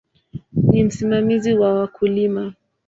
Ni msimamizi wa wakulima.